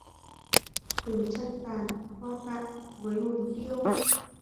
Tưởng trăng tàn, hoa tạ, với hồn tiêu